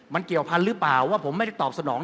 มันเกี่ยวพันธุ์หรือเปล่าว่าผมไม่ได้ตอบสนอง